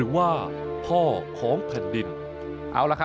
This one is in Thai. ติดตามได้จากรายงานพิเศษชิ้นนี้นะคะ